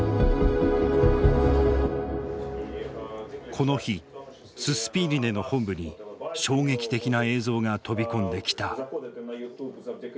この日ススピーリネの本部に衝撃的な映像が飛び込んできた。